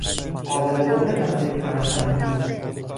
قابل رویت از یک فرسنگی